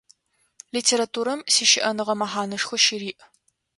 Литературэм сищыӏэныгъэ мэхьанэшхо щыриӏ.